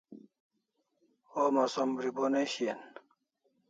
Homa som bribo ne shian